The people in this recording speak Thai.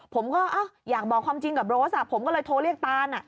ผมก็อยากบอกความจริงกับโรสผมก็เลยโทรเรียกตาน